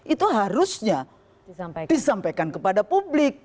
itu harusnya disampaikan kepada publik